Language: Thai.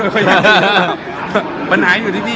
โอ้ยผมไหนอยากรู้เนี่ย